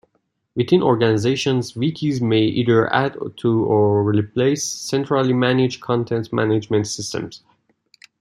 Within organizations, wikis may either add to or replace centrally managed content management systems.